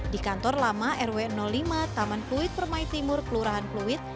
di kantor lama rw lima taman fluid permai timur kelurahan fluid